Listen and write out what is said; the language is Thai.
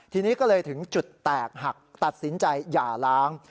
ทีนี้ก็เลยถึงจุดแตกหักตัดสินใจหย่าล้าง